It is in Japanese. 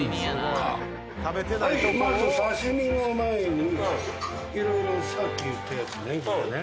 はいまず刺身の前にいろいろさっき言ったやつね